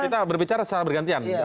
kita berbicara secara bergantian